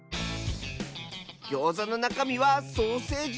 ギョーザのなかみはソーセージとちくわ！